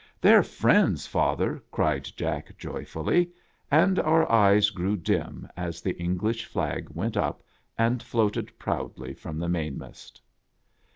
"They're friends, father!" cried Jack, joyfully; and our eyes grew dim as the English flag went up and floated proudly from the mainmast.